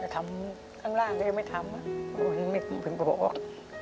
ทำข้างล่างก็ยังไม่ทำเพราะวันนี้ไม่พึ่งบอก